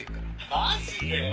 「マジで？」